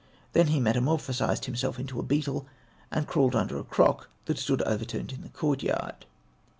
He then metamorphosed himself into a beetle, and crawled under a crock that stood overturned in the courtyard.